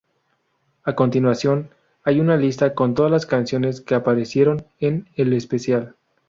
A continuación hay una lista con todas las canciones que aparecieron en el especial.